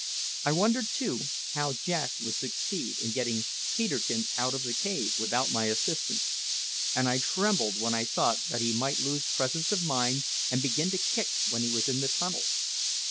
I wondered, too, how Jack would succeed in getting Peterkin out of the cave without my assistance; and I trembled when I thought that he might lose presence of mind, and begin to kick when he was in the tunnel!